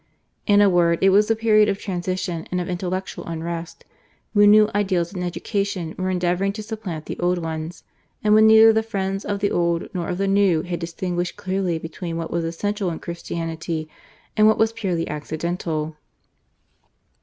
In a word, it was a period of transition and of intellectual unrest, when new ideals in education were endeavouring to supplant the old ones, and when neither the friends of the old nor of the new had distinguished clearly between what was essential in Christianity and what was purely accidental.